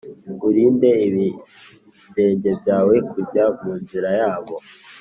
, Urinde ibirenge byawe kujya mu nzira yabo,